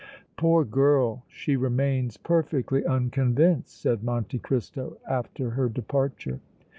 "Poor girl! she remains perfectly unconvinced!" said Monte Cristo, after her departure.